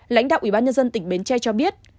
lãnh đạo ủy ban nhân dân tỉnh bến tre cho biết